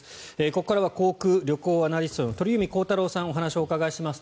ここからは航空・旅行アナリストの鳥海高太朗さんにお話をお伺いします。